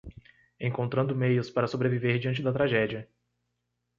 Encontrando meios para sobreviver diante da tragédia